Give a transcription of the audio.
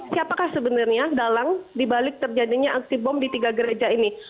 siapakah sebenarnya dalang dibalik terjadinya aksi bom di tiga gereja ini